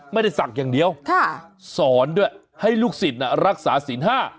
ไม่ได้ศักดิ์อย่างเดียวสอนด้วยให้ลูกศิษย์รักษาศีลห้า